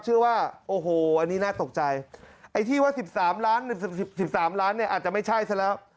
เชื่อว่าโอ้โหอันนี้น่าตกใจไอ้ที่ว่า๑๓ล้าน๑๓ล้านเนี่ยอาจจะไม่ใช่ซะแล้ว